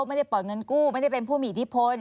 ไม่ได้ปล่อยเงินกู้ไม่ได้เป็นผู้มีอิทธิพล